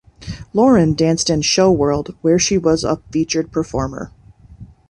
Loren danced in Show World, where she was a featured performer.